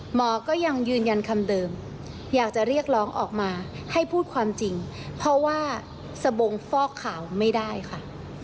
หมอก็ยังยืนยันคำเดิมอยากจะเรียกร้องออกมาให้พูดความจริงเพราะว่าสบงฟอกข่าวไม่ได้ค่ะ